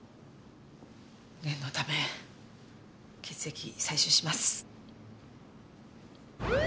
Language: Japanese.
念のため血液採取します。